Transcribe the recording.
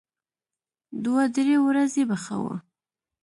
دوه درې ورځې به ښه و.